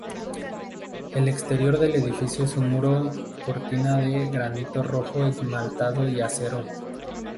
El exterior del edificio es un muro cortina de granito rojo esmaltado y acero.